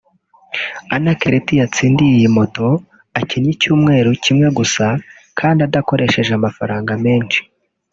Anaclet yatsindiye iyi moto akinnye icyumweru kimwe gusa kandi adakoresheje amafaranga menshi